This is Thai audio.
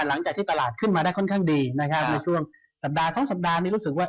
หลังจากที่ตลาดขึ้นมาได้ค่อนข้างดีนะครับในช่วงสัปดาห์ทั้งสัปดาห์นี้รู้สึกว่า